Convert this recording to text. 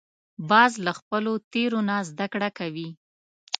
باز له خپلو تېرو نه زده کړه کوي